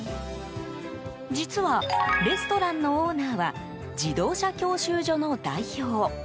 実は、レストランのオーナーは自動車教習所の代表。